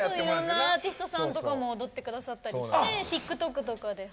いろんなアーティストさんとかも踊ってくださったりしてＴｉｋＴｏｋとかで。